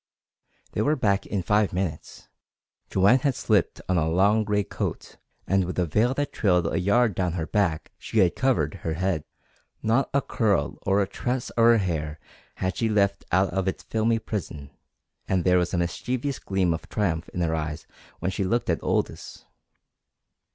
They were back in five minutes. Joanne had slipped on a long gray coat, and with a veil that trailed a yard down her back she had covered her head. Not a curl or a tress of her hair had she left out of its filmy prison, and there was a mischievous gleam of triumph in her eyes when she looked at Aldous.